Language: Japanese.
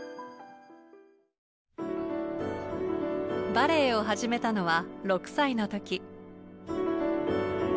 バレエを始めたのは６歳の時。